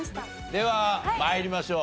では参りましょう。